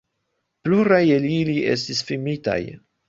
Pluraj el ili estis filmitaj.